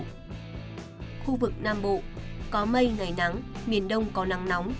khu vực nam bộ có mây ngày nắng miền đông có nắng nóng